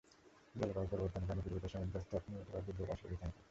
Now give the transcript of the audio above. জলবায়ু পরিবর্তনের কারণে পৃথিবীতে সমুদ্রের স্তর নিয়মিতভাবে বৃদ্ধি এবং হ্রাস পেয়ে থাকে।